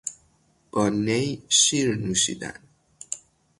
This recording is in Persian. با نی شیر نوشیدن